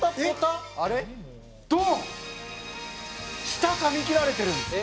舌噛み切られてるんです。